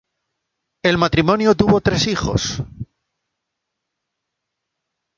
El matrimonio tuvo tres hijos.